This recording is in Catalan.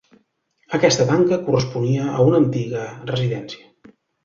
Aquesta tanca corresponia a una antiga residència.